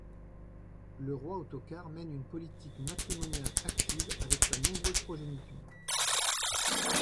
Le roi Ottokar mène une politique matrimoniale active avec sa nombreuse progéniture.